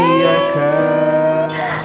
aduh aduh aduh aduh